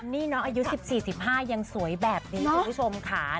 นี่น้องอายุ๑๔๑๕ยังสวยแบบนี้คุณผู้ชมค่ะ